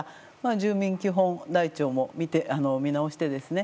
住民基本台帳も見て見直してですね。